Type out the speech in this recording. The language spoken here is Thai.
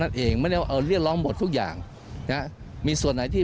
เองไม่ได้ว่าเออเรียกร้องหมดทุกอย่างนะมีส่วนไหนที่